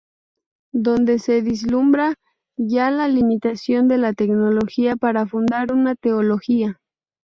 Donde se vislumbra ya, la limitación de la teleología para fundar una teología.